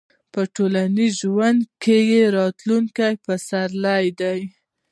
په ټولنیز ژوند کې راتلونکي پسرلي دي.